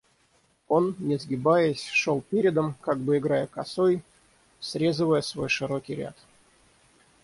Он, не сгибаясь, шел передом, как бы играя косой, срезывая свой широкий ряд.